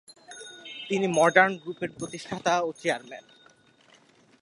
তিনি মডার্ন গ্রুপের প্রতিষ্ঠাতা ও চেয়ারম্যান।